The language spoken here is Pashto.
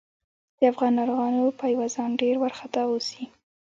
د افغان ناروغانو پايوازان ډېر وارخطا اوسي.